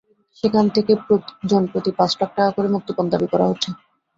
সেখান থেকে জনপ্রতি পাঁচ লাখ টাকা করে মুক্তিপণ দাবি করা হচ্ছে।